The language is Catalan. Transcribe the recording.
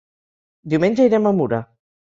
Diumenge irem a Mura.